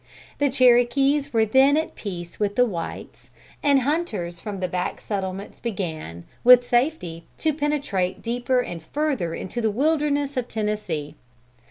The Cherokees were then at peace with the whites, and hunters from the back settlements began, with safety, to penetrate deeper and further into the wilderness of Tennessee.